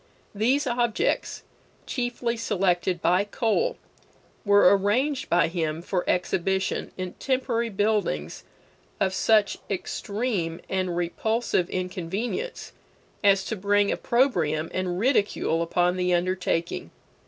These objects, chiefly selected by Cole, were arranged by him for exhibition in temporary buildings of such extreme and repulsive inconvenience as to bring opprobrium and ridicule upon the undertaking.